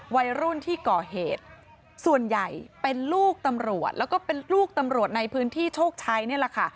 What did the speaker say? วัยรุ่นที่ก่อเหตุส่วนใหญ่เป็นลูกตำรวจแล้วก็เป็นลูกตำรวจในพื้นที่โชคชัยนี่แหละค่ะ